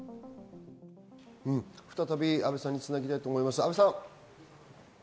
再び、阿部さんにつなぎたいと思います、阿部さん。